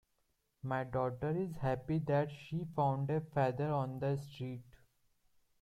My daughter is happy that she found a feather on the street.